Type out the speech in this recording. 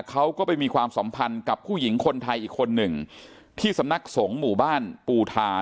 เขาก็ไปมีความสัมพันธ์กับผู้หญิงคนไทยอีกคนหนึ่งที่สำนักสงฆ์หมู่บ้านปูทา